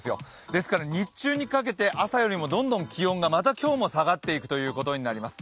ですから日中にかけて朝よりもドンドン気温がまた今日も下がっていくということになります。